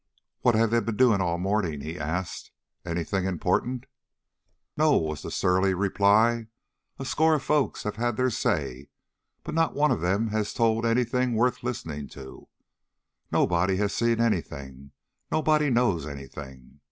"What have they been doing all the morning?" he asked. "Any thing important?" "No," was the surly reply. "A score of folks have had their say, but not one of them has told any thing worth listening to. Nobody has seen any thing, nobody knows any thing.